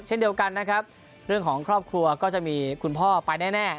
เช่นเดียวกันนะครับเรื่องของครอบครัวก็จะมีคุณพ่อไปแน่